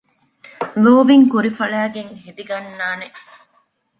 ލޯބިން ކުރި ފަޅައިގެން ހެދިގަންނާނެ